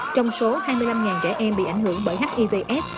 trong số hai mươi năm trẻ em bị ảnh hưởng bởi hivf